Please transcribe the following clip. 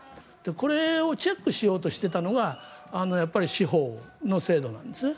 これをチェックしようとしていたのが司法の制度なんですね。